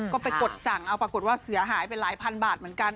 ก็ไปกดสั่งเอาปรากฏว่าเสียหายไปหลายพันบาทเหมือนกัน